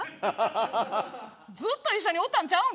ずっと一緒におったんちゃうんかい。